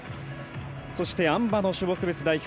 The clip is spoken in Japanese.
そしてあん馬の種目別代表